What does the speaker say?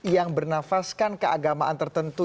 yang bernafaskan keagamaan tertentu